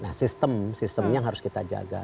nah sistem sistemnya yang harus kita jaga